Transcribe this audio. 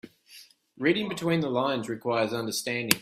Reading between the lines requires understanding.